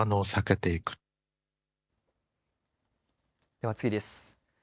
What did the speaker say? では次です。